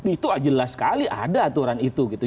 itu jelas sekali ada aturan itu gitu